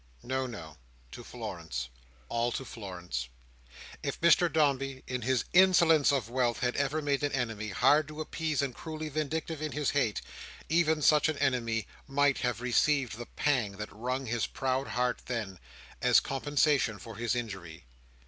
No, no. To Florence—all to Florence. If Mr Dombey in his insolence of wealth, had ever made an enemy, hard to appease and cruelly vindictive in his hate, even such an enemy might have received the pang that wrung his proud heart then, as compensation for his injury.